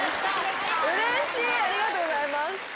うれしいありがとうございます。